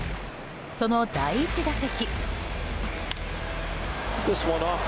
その第１打席。